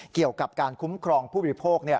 เกี่ยวกับการคุ้มครองผู้บริโภค